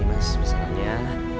ini mas misalnya